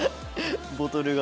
ボトルが。